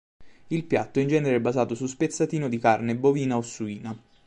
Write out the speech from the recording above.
Il piatto è in genere basato su spezzatino di carne bovina o suina.